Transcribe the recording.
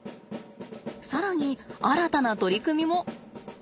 更に新たな取り組みも。